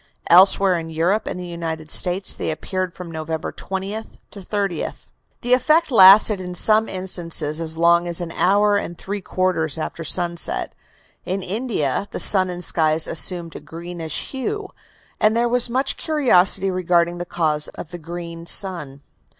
Elsewhere in Europe and the United States they appeared from November 20th to 30th. The effect lasted in some instances as long as an hour and three quarters after sunset. In India the sun and skies assumed a greenish hue, and there was much curiosity regarding the cause of the "green sun."